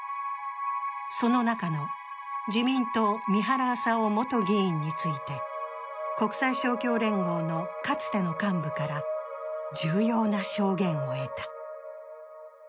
その中の自民党、三原朝雄元議員について、国際勝共連合のかつての幹部から重要な証言を得た。